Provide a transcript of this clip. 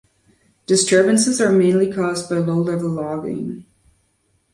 Disturbances are mainly caused by low-level logging.